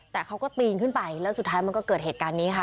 แต่เขาก็ปีนขึ้นไปแล้วสุดท้ายมันก็เกิดเหตุการณ์นี้ค่ะ